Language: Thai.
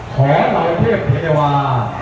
ขอบรรเทพเทวา